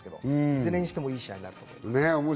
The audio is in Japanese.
それにしてもいい試合になると思います。